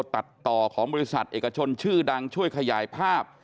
ตัดต่อของบริษัทเอกชนชื่อดังช่วยขยายภาพ